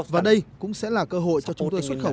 và đây cũng sẽ là cơ hội cho chúng tôi xuất khẩu